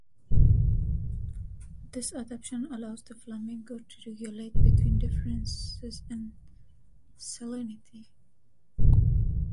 This adaptation allows the flamingo to regulate between differences in salinity.